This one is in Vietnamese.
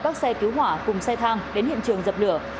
các xe cứu hỏa cùng xe thang đến hiện trường dập lửa